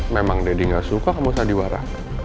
memang deddy gak suka kamu sandiwara